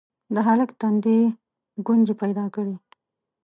د هلک تندي ګونځې پيدا کړې: